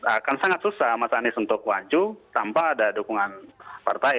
akan sangat susah mas anies untuk maju tanpa ada dukungan partai